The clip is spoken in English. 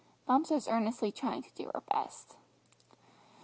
Bumps was earnestly trying to do her best.